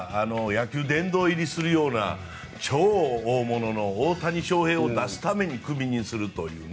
野球殿堂入りするような超大物の大谷翔平を出すためにクビにするという。